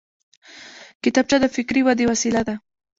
کتابچه د فکري ودې وسیله ده